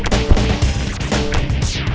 tak masa bu